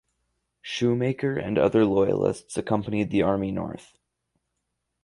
Shoemaker and other loyalists accompanied the army north.